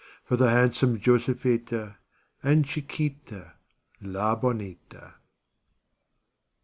For the handsome Josepheta, And Chiquita, La bonita.